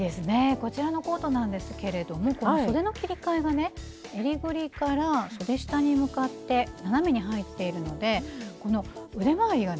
こちらのコートなんですけれどもこのそでの切り替えがねえりぐりからそで下に向かって斜めに入っているのでこの腕回りがね